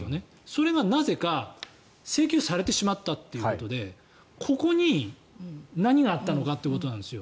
それが、なぜか請求されてしまったということでここに何があったのかということなんです。